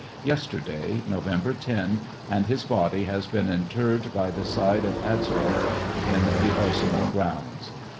yes terday, November 10, and his body has been interred by the side of Atzerodt, in the arsenal grounds.